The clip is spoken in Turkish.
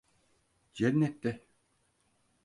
Cennette.